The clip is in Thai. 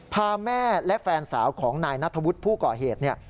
พาแม่และแฟนสาวของนายนัทธวุฒิผู้ก่อเหตุเนี่ย